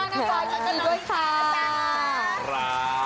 บ๊ายค่า